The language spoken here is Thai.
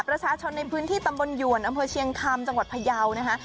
ประชาชนในพื้นที่ตำบลหยวนอำเภอเชียงคำจังหวัดพยาวนะคะ